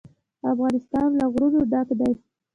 افغانستان له غرونه ډک دی.